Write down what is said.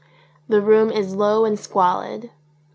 The room is low and squalid.